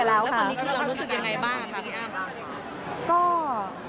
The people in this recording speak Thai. แล้วตอนนี้คือเรารู้สึกอย่างไรบ้างครับพี่อ้าม